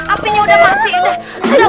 apinya udah mati udah